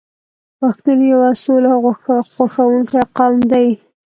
پښتون یو سوله خوښوونکی قوم دی.